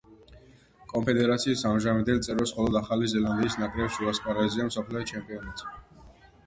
კონფედერაციის ამჟამინდელ წევრებს მხოლოდ ახალი ზელანდიის ნაკრებს უასპარეზია მსოფლიო ჩემპიონატზე.